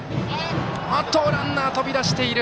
ランナー飛び出している。